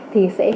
thì sẽ hít lại